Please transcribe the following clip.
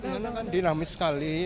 mama kan dinamis sekali